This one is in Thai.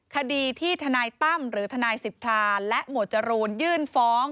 คดีที่ทนายตั้มหรือทนายสิทธาและหมวดจรูนยื่นฟ้อง